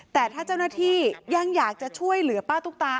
แต่ถ้าเจ้าหน้าที่ยังอยากจะช่วยเหลือป้าตุ๊กตา